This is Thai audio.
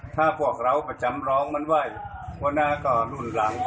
ถ้าพวกเราประจำร้องมันว่ายว่านานั้นก็รุ่นหลัง